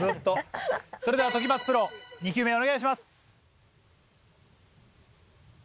それでは時松プロ２球目お願いします。